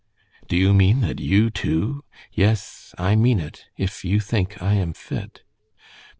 "Do you mean that you, too " "Yes, I mean it, if you think I am fit."